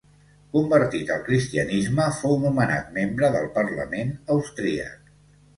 Convertit al cristianisme, fou nomenat membre del parlament austríac.